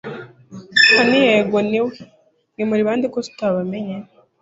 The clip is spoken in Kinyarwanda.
Henry yego niwe mwe muri bande ko tutabamenye